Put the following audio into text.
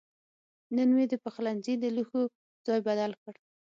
نن مې د پخلنځي د لوښو ځای بدل کړ.